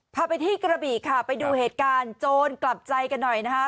พาไปที่กระบี่ค่ะไปดูเหตุการณ์โจรกลับใจกันหน่อยนะคะ